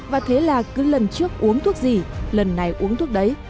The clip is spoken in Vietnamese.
và thế là cứ lần trước uống thuốc gì lần này uống thuốc đấy